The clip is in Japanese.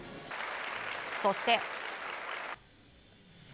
そして。